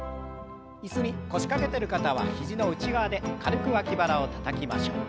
椅子に腰掛けてる方は肘の内側で軽く脇腹をたたきましょう。